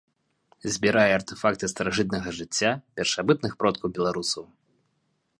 Збірае артэфакты старажытнага жыцця першабытных продкаў беларусаў.